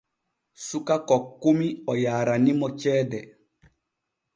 Suka kokkumi o yaaranimo ceede.